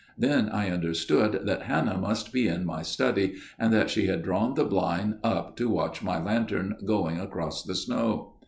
Then I understood that Hannah must be in my study and that she had drawn the blind up to watch my lantern going across the snow.